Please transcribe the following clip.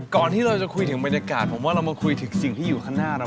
ก่อนที่เราจะคุยถึงบรรยากาศผมว่าเรามาคุยถึงสิ่งที่อยู่ข้างหน้าเรา